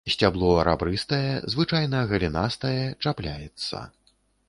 Сцябло рабрыстае, звычайна галінастае, чапляецца.